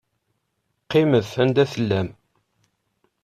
Qqimet anda tellam.